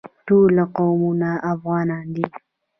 ټول قومونه افغانان دي